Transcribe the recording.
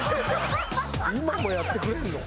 今もやってくれるの？